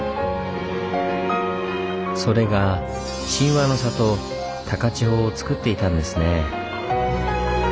それが「神話の里・高千穂」をつくっていたんですねぇ。